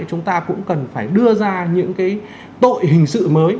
chúng ta cũng cần phải đưa ra những cái tội hình sự mới